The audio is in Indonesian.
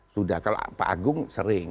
sudah kalau pak agung sering